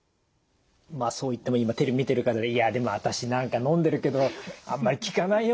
まあそう言っても今テレビ見てる方で「いやでも私なんかのんでるけどあんまり効かないような気がするのよね」